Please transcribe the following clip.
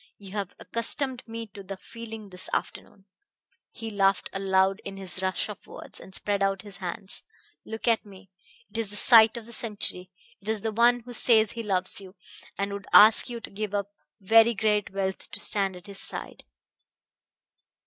You have accustomed me to the feeling this afternoon." He laughed aloud in his rush of words, and spread out his hands. "Look at me! It is the sight of the century! It is the one who says he loves you, and would ask you to give up very great wealth to stand at his side."